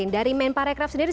dari men paraycraft sendiri